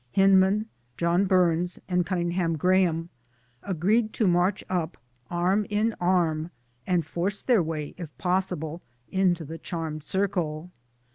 Hyndman, John Burns and Cunninghame Graham agreed to march up arm in arm' and force their way if possible into the charmed circle.